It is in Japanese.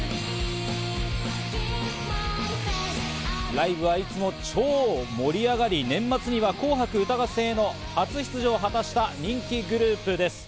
ライブはいつも超盛り上がり、年末には『紅白歌合戦』の初出場も果たした人気グループです。